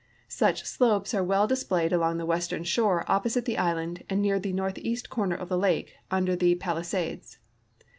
Such slopes are well displayed along the western shore o})posite the island and near the northeast corner of the lake under the ])alisades.